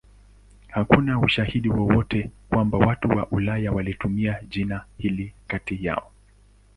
Hakuna ushahidi wowote kwamba watu wa Ulaya walitumia jina hili kati yao.